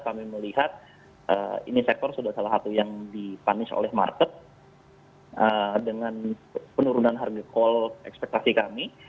kami melihat ini sektor sudah salah satu yang di punish oleh market dengan penurunan harga call ekspektasi kami